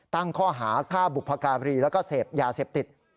ตั้งข้อหาฆ่าบุพการีแล้วก็เสพยาเสพติด